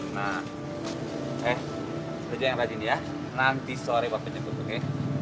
nah eh kerja yang rajin ya nanti sore waktu cukup oke